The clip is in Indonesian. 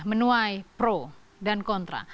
menuai pro dan kontra